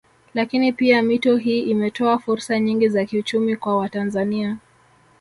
Lakini pia mito hii imetoa fursa nyingi za kiuchumi kwa watanzania